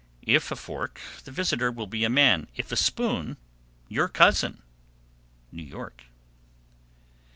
If a fork, the visitor will be a man; if a spoon, your cousin. _New York.